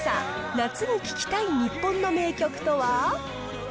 夏に聞きたい日本の名曲とは。